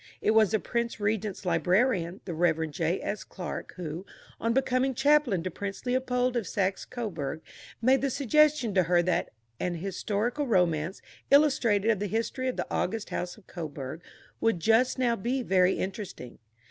It was the Prince Regent's librarian, the Rev. J.S. Clarke, who, on becoming chaplain to Prince Leopold of Saxe Coburg, made the suggestion to her that "an historical romance, illustrative of the history of the august House of Coburg, would just now be very interesting."